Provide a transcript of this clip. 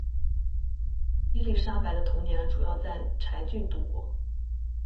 伊丽莎白的童年主要在柴郡度过。